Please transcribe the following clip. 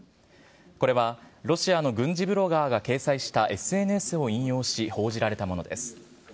これはロシアの軍事ブロガーが掲載したＳＮＳを引用し報じられたものです。